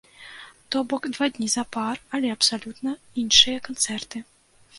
То бок два дні запар, але абсалютна іншыя канцэрты.